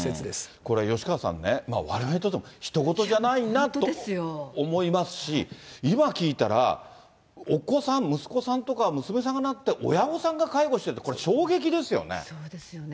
これ、吉川さんね、われわれにとってもひと事じゃないなと思いますし、今聞いたら、お子さん、息子さんとか、娘さんがなって、親御さんが介護してるそうですね。